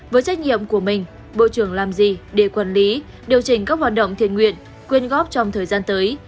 với trách nhiệm của mình bộ trưởng làm gì để quản lý điều chỉnh các hoạt động thiện nguyện quyên góp trong thời gian tới